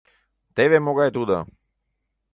Теве могай тудо!